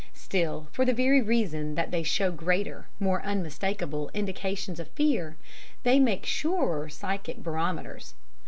Still, for the very reason that they show greater more unmistakable indications of fear, they make surer psychic barometers.